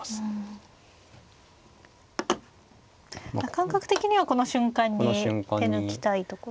感覚的にはこの瞬間に手抜きたいところですか。